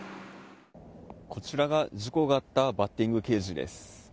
こちらが事故があったバッティングケージです。